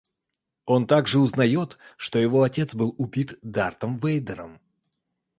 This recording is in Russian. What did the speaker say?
Он также узнает, что его отец был убит Дартом Вейдером